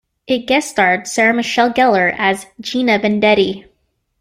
It guest-starred Sarah Michelle Gellar as Gina Vendetti.